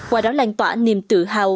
quả đó làn tỏa niềm tự hào